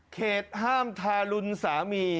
เหตุห้ามทารุณสามี